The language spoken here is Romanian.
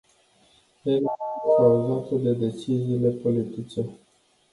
Ele au fost cauzate de deciziile politice.